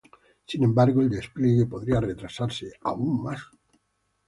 Sin embargo, el despliegue podría retrasarse aún más.